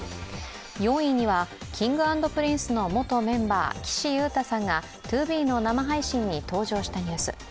４位にはＫｉｎｇ＆Ｐｒｉｎｃｅの元メンバー、岸優太さんがＴＯＢＥの生配信に登場したニュース。